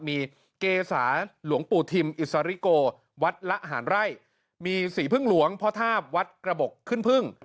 มีเกษาหลวงปู่ทิมอิสริโกวัดละหารไร่มีสีพึ่งหลวงพ่อทาบวัดกระบบขึ้นพึ่ง